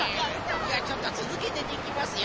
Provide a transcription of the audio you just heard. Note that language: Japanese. いやちょっとつづけてできますよ。